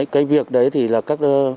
cái việc đấy thì là các